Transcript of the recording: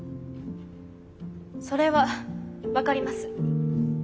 それは分かります。